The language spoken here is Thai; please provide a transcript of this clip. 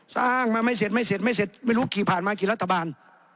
สร้างมาไม่เสร็จไม่เสร็จไม่เสร็จไม่รู้ขี่ผ่านมากี่รัฐบาล